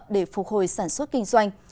để phục hồi sản xuất kinh doanh